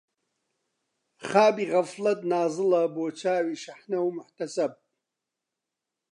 خابی غەفڵەت نازڵە بۆ چاوی شەحنە و موحتەسەب